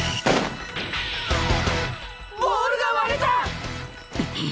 ボールが割れた！